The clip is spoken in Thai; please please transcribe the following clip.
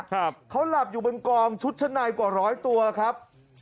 เขาหลับอยู่บนกองชุดชั้นในกว่าร้อยตัวครับ